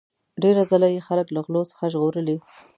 ډیر ځله یې خلک له غلو څخه ژغورلي.